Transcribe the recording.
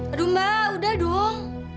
aduh mbak udah dong